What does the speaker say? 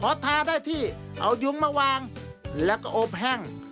พอทาได้ที่เอายุงมาวางแล้วก็อบแห้ง